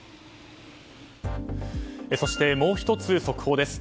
そして、もう１つ速報です。